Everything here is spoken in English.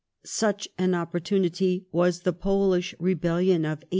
Such an opportunity was the Polish rebellion of 1863.